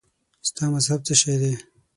ستا مذهب څه شی دی؟